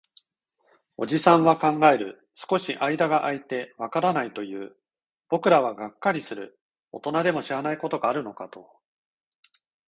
おじさんは考える。少し間が空いて、わからないと言う。僕らはがっかりする。大人でも知らないことがあるのかと。